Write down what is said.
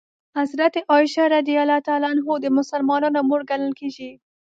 حضرت عایشه رض د مسلمانانو مور ګڼل کېږي.